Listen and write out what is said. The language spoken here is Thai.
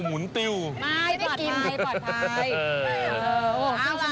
ไม่ไม่ได้กินปลอดภัย